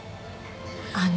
あの。